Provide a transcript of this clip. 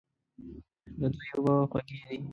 د دوی اوبه خوږې دي.